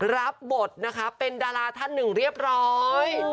รับบทนะคะเป็นดาราท่านหนึ่งเรียบร้อย